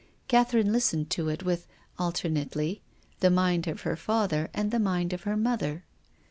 Catherine listened to it with, alternately, the mind of her father and the mind of her mother.